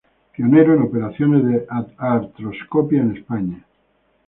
Pionero en operaciones de artroscopia en España.